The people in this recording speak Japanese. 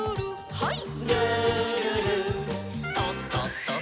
はい。